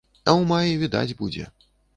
А ў маі відаць будзе.